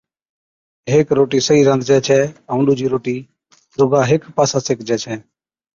ھيڪ روٽِي صحيح رانڌجَي ڇَي ائُون ڏُوجِي روٽِي چا رُگا ھيڪ پاسا سيڪجَي ڇَي